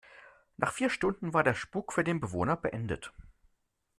Nach vier Stunden war der Spuk für den Bewohner beendet.